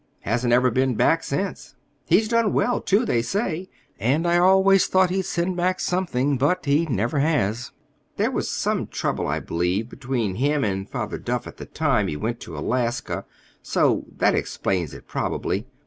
Hasn't ever been back since. He's done well, too, they say, and I always thought he'd send back something; but he never has. There was some trouble, I believe, between him and Father Duff at the time he went to Alaska, so that explains it, probably.